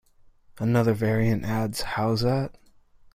Another variant adds Howzat?